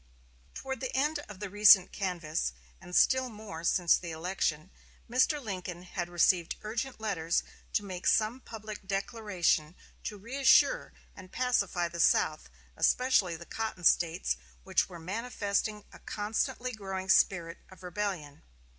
Toward the end of the recent canvass, and still more since the election, Mr. Lincoln had received urgent letters to make some public declaration to reassure and pacify the South, especially the cotton States, which were manifesting a constantly growing spirit of rebellion.